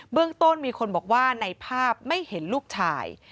เรื่องต้นมีคนบอกว่าในภาพไม่เห็นลูกชาย